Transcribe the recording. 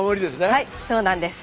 はいそうなんです。